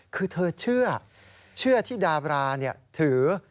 คือเธอเชื่อเชื่อที่ดาบราเนี่ยถือ